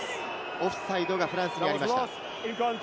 オフサイドがフランスにありました。